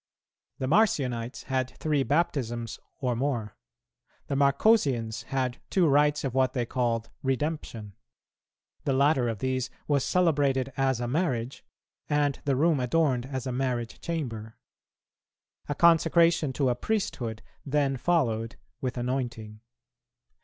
[222:1] The Marcionites had three baptisms or more; the Marcosians had two rites of what they called redemption; the latter of these was celebrated as a marriage, and the room adorned as a marriage chamber. A consecration to a priesthood then followed with anointing.